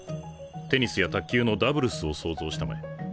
テニスや卓球のダブルスを想像したまえ。